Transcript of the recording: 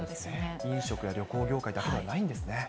飲食や旅行業界だけではないんですね。